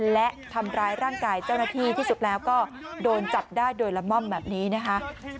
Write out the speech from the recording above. และทำร้ายร่างกายเจ้าหน้าที่ที่สุดแล้วก็โดนจับได้โดยละม่อมแบบนี้นะคะ